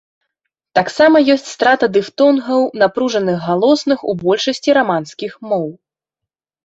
Таксама ёсць страта дыфтонгаў напружаных галосных у большасці раманскіх моў.